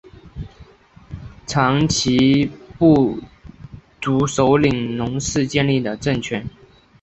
长其部族首领侬氏建立的政权。